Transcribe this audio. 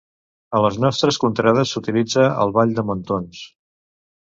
A les nostres contrades s'utilitza al ball de mantons.